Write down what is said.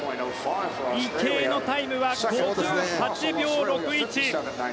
池江のタイムは５８秒６１。